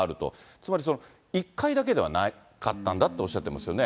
つまり１回だけではなかったんだとおっしゃってますよね。